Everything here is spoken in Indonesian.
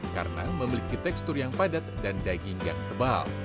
karena memiliki tekstur yang padat dan daging yang tebal